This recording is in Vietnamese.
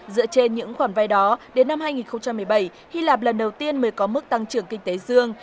dựa trên những khoản vay đó đến năm hai nghìn một mươi bảy hy lạp lần đầu tiên mới có mức tăng trưởng kinh tế dương